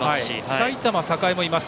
埼玉栄もいます。